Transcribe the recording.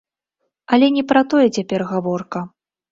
Але не пра тое цяпер гаворка.